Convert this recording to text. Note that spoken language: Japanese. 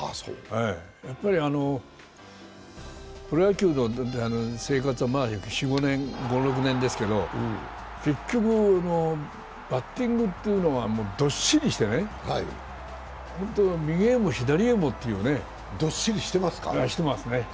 やっぱりプロ野球の生活は５６年ですけど、結局、バッティングというのはどっしりして、右へも左へもというどっしりしてますか？